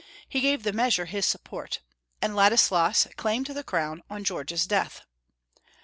n., he gave the measure his support, and Ladislas, claimed the crown on George's death.